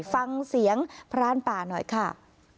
ฟังเสียงพรานป่าหน่อยค่ะ